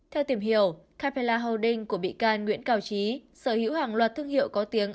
theo tìm hiểu capella holding của bị can nguyễn cao trí sở hữu hàng loạt thương hiệu có tiếng